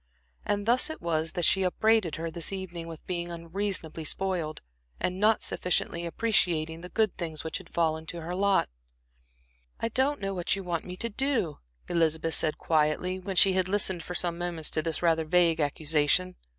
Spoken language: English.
And thus it was that she upbraided her this evening with being unreasonably spoiled, and not sufficiently appreciating the good things which had fallen to her lot. "I don't know what you want me to do," Elizabeth said, quietly, when she had listened for some moments to this rather vague accusation.